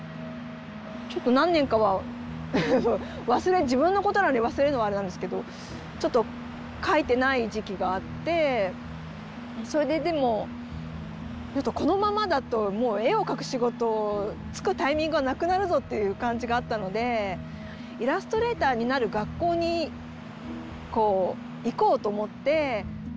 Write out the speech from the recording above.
ちょっと何年かは自分のことなのに忘れるのもあれなんですけどちょっと描いてない時期があってそれででもちょっとこのままだともう絵を描く仕事就くタイミングがなくなるぞっていう感じがあったのでイラストレーターになる学校に行こうと思って。